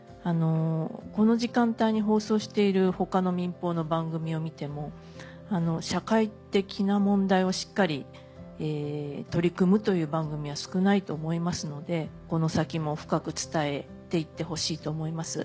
この時間帯に放送している他の民放の番組を見ても社会的な問題をしっかり取り組むという番組は少ないと思いますのでこの先も深く伝えていってほしいと思います。